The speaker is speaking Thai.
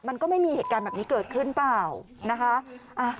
มันก็ไม่มีเหตุการณ์แบบนี้เกิดขึ้นเปล่านะคะ